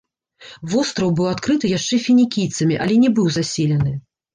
Востраў быў адкрыты яшчэ фінікійцамі, але не быў заселены.